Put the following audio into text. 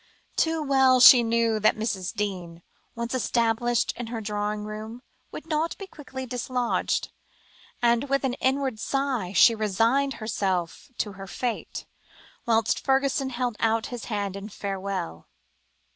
Too well she knew that Mrs. Deane, once established in her drawing room, would not be quickly dislodged, and, with an inward sigh, she resigned herself to her fate, whilst Fergusson held out his hand in farewell.